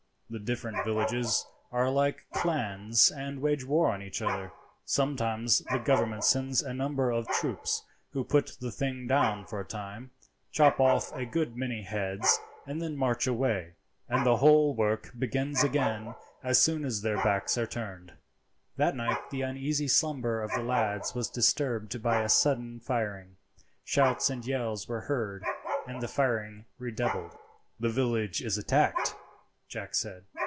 The different villages are like clans, and wage war on each other. Sometimes the government sends a number of troops, who put the thing down for a time, chop off a good many heads, and then march away, and the whole work begins again as soon as their backs are turned." That night the uneasy slumber of the lads was disturbed by a sudden firing; shouts and yells were heard, and the firing redoubled. "The village is attacked," Jack said.